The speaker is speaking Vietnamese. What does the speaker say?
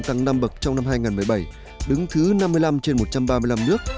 tăng năm bậc trong năm hai nghìn một mươi bảy đứng thứ năm mươi năm trên một trăm ba mươi năm nước